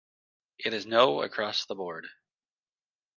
It is 'no' across the board.